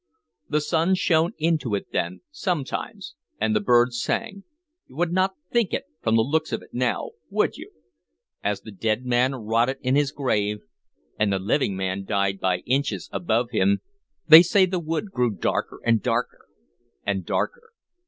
The sun shone into it then, sometimes, and the birds sang. You would n't think it from the looks of things now, would you? As the dead man rotted in his grave, and the living man died by inches above him, they say the wood grew darker, and darker, and darker.